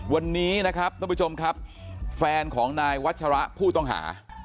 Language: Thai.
วันนี้นะครับท่านผู้ชมครับแฟนของนายวัชระผู้ต้องหา